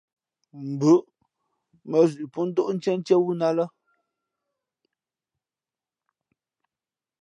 Mbǔʼ mά zʉʼ pó ndóʼ ntīēntíé wú nά ā lά.